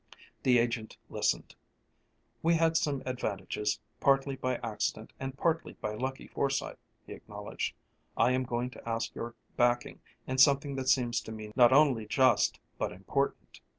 The agent listened. "We had some advantages, partly by accident and partly by lucky foresight," he acknowledged. "I am going to ask your backing in something that seems to me not only just but important.